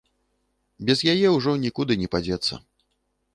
Без яе ўжо нікуды не падзецца.